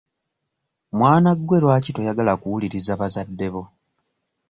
Mwana gwe lwaki toyagala kuwuliriza bazadde bo?